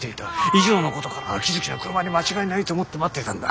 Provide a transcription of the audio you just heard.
以上のことから秋月の車に間違いないと思って待ってたんだ。